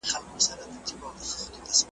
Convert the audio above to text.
دومره لوړ سو چي له سترګو هم پناه سو `